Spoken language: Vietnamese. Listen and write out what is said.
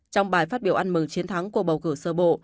trong bài phát biểu ăn mừng chiến thắng của bầu cử sơ bộ